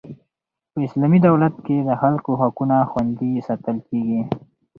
په اسلامي دولت کښي د خلکو حقونه خوندي ساتل کیږي.